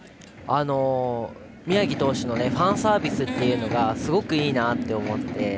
宮城投手のファンサービスっていうのがすごくいいなと思って。